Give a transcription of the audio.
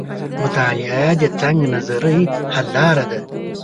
مطالعه د تنګ نظرۍ حل لار ده.